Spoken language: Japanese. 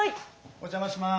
お邪魔します！